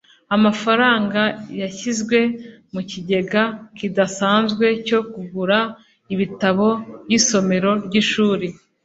amafaranga yashyizwe mu kigega kidasanzwe cyo kugura ibitabo by'isomero ry'ishuri